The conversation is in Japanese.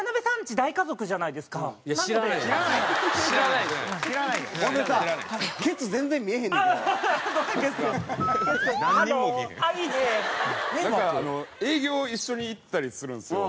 なんか営業一緒に行ったりするんですよ